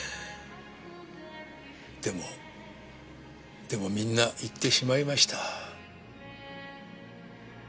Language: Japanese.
でもでもみんないってしまいました。